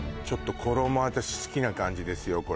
ちょっと衣は私好きな感じですよ